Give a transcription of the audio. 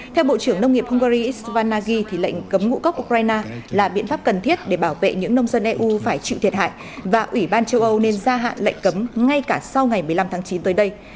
theo bộ trưởng nông nghiệp hungary isvan nagy thì lệnh cấm ngũ cốc ukraine là biện pháp cần thiết để bảo vệ những nông dân eu phải chịu thiệt hại và ủy ban châu âu nên gia hạn lệnh cấm ngay cả sau ngày một mươi năm tháng chín tới đây